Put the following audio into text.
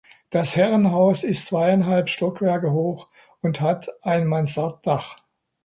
Das Herrenhaus ist zweieinhalb Stockwerke hoch und hat ein Mansarddach.